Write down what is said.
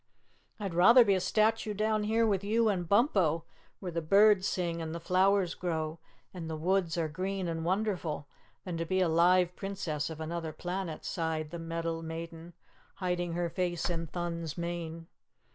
"I'd rather be a statue down here with you and Bumpo, where the birds sing and the flowers grow and the woods are green and wonderful, than to be a live Princess of Anuther Planet!" sighed the metal maiden, hiding her face in Thun's mane.